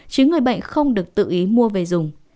chứ người bệnh không được tự ý mua về dùng